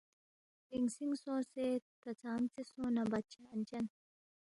لِنگسِنگ سونگسے نہ تا ژامژے سونگ نہ بادشاہ انچن